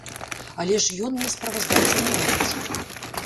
Але ж ён мне справаздачу не робіць.